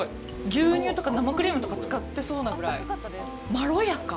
牛乳とか生クリームとか使ってそうなぐらいまろやか。